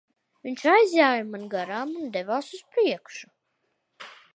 Viņš aizjāja man garām un devās uz priekšu.